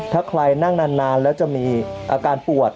ถ้าใครนั่งนานแล้วจะมีอาการปวด